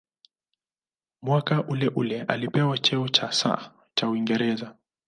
Mwaka uleule alipewa cheo cha "Sir" cha Uingereza.